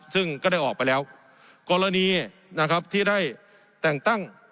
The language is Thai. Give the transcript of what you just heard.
ซึ่งก็ได้ออกไปแล้วกรณีนะครับที่ได้แต่งตั้ง